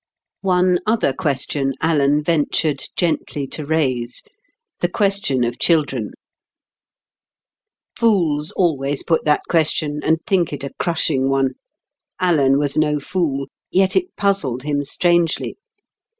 One other question Alan ventured gently to raise—the question of children. Fools always put that question, and think it a crushing one. Alan was no fool, yet it puzzled him strangely.